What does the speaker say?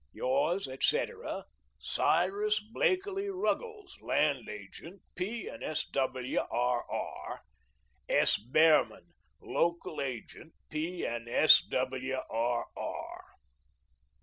Yours, etc., CYRUS BLAKELEE RUGGLES, Land Agent, P. and S. W. R. R. S. BEHRMAN, Local Agent, P. and S. W. R. R.